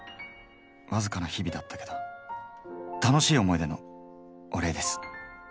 わずかな日々だったけど楽しい思い出のお礼です。